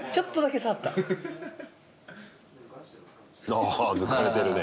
ああ抜かれてるね。